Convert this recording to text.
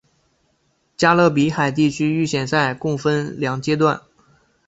加勒比海地区预选赛共分两阶段。